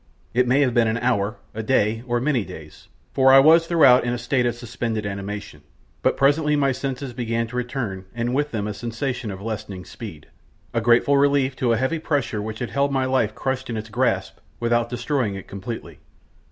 It may have been an hour, a day, or many days, for I was throughout in a state of suspended animation, but presently my senses began to return and with them a sensation of lessening speed, a grateful relief to a heavy pressure which had held my life crushed in its grasp, without destroying it completely.